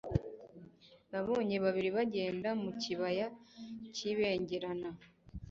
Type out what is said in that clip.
Nabonye babiri bagenda mu kibaya kibengerana